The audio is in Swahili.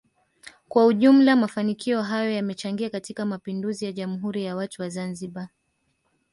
kwa ujumla mafanikio hayo yamechangia katika mapinduzi ya jamhuri ya watu wa Zanzibar